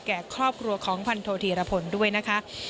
แก่ครอบครัวของพันโทธีรพลด้วยนะคะ